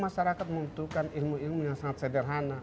masyarakat membutuhkan ilmu ilmu yang sangat sederhana